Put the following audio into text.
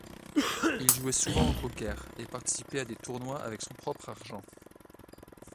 Il jouait souvent au poker, et participait à des tournois avec son propre argent.